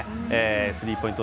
スリーポイント